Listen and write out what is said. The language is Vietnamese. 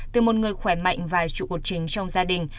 từ một người khỏe mạnh và chủ cột trình trong gia đình